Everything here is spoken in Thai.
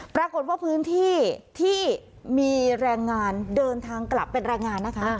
ปรากฏว่าพื้นที่ที่มีแรงงานเดินทางกลับเป็นแรงงานนะคะ